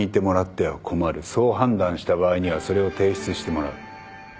そう判断した場合にはそれを提出してもらう。